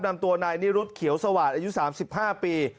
นำตัวนายนิรุธเขียวสวาดอายุ๓๕ปี